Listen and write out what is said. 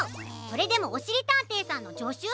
それでもおしりたんていさんのじょしゅ？